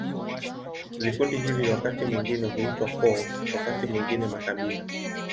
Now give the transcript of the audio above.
Vikundi hivi wakati mwingine huitwa koo, wakati mwingine makabila.